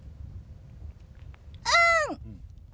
うん！